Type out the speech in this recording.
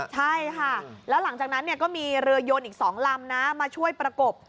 ใช่ค่ะแล้วหลังจากนั้นก็มีเรือยนอีก๒ลำนะมาช่วยประกบ